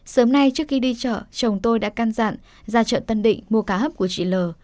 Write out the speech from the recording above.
sớm nay trước khi đi chợ chồng tôi đã can dặn ra chợ tân định mua cá hấp của chị l